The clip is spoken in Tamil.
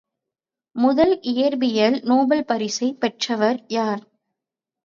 முதல் இயற்பியல் நோபல் பரிசைப் பெற்றவர் யார்?